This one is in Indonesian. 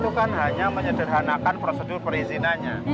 itu kan hanya menyederhanakan prosedur perizinannya